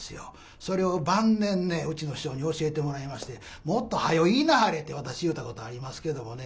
それを晩年ねうちの師匠に教えてもらいまして「もっと早よ言いなはれ」って私言うたことありますけどもね。